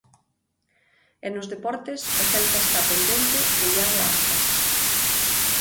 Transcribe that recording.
E nos deportes, o Celta está pendente de Iago Aspas.